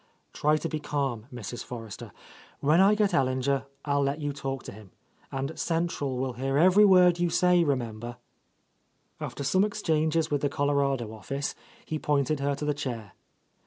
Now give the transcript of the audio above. "Try to be calm, Mrs. Forrester. When I get Ellinger I will let you talk to him, — and central will hear every word you say, remem ber." After some exchanges with the Colorado office, he pointed her to the chair.